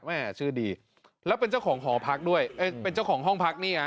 แม่ชื่อดีแล้วเป็นเจ้าของหอพักด้วยเป็นเจ้าของห้องพักนี่ฮะ